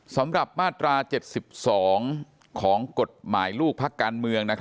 สำหรับมาตรา๗๒ของกฎหมายลูกพักการเมือง